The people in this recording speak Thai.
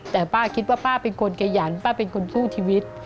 แต่ป้าคิดว่าป้าเป็นคนขยันป้าเป็นคนสู้ชีวิต